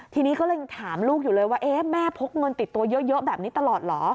ทีนี้ก็เลยถามลูกอยู่เลยว่าแม่พกเงินติดตัวเยอะแบบนี้ตลอดเหรอ